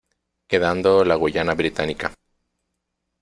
Quedando la Guayana británica.